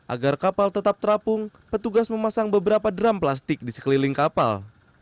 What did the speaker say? agar kapal tetap terapung petugas memasang beberapa drum plastik di sekeliling kapal